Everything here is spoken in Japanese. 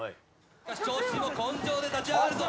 長州も根性で立ち上がるぞ。